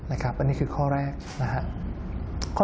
อันนี้คือข้อแรกนะครับ